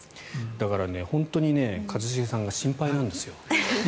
だから、本当に一茂さんが心配なんですよ。